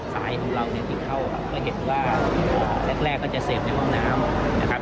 สายของเราเนี่ยที่เข้าก็เห็นว่าแรกก็จะเสพในห้องน้ำนะครับ